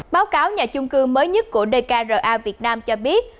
báo cáo nhà chung cư mới nhất của dkra việt nam cho biết